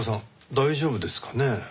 大丈夫ですかね。